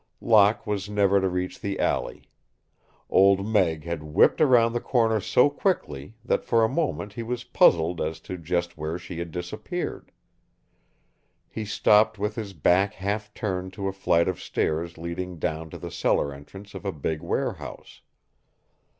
Locke was never to reach the alley. Old Meg had whipped around the corner so quickly that for a moment he was puzzled as to just where she had disappeared. He stopped with his back half turned to a flight of stairs leading down to the cellar entrance of a big warehouse.